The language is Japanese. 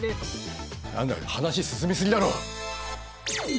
何だよ話進み過ぎだろ。